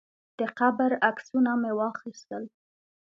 د قبر عکسونه مې واخیستل.